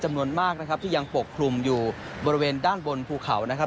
จำนวนมากนะครับที่ยังปกคลุมอยู่บริเวณด้านบนภูเขานะครับ